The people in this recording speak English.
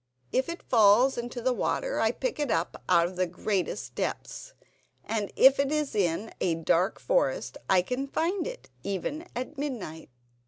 If it falls into the water I pick it up out of the greatest depths, and if it is in a dark forest I can find it even at midnight."